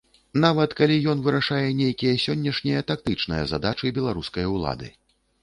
Нават калі ён вырашае нейкія сённяшнія тактычныя задачы беларускай улады.